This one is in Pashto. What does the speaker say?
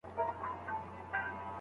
- عبدالستار خپلواک مایار ، ليکوال.